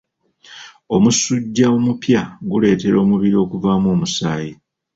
Omusujja omupya guleetera omubiri okuvaamu omusaayi.